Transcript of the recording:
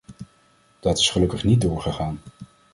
Dat is gelukkig niet doorgegaan.